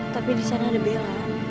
tapi disana ada bella